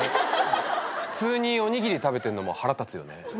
普通におにぎり食べてんのも腹立つよね。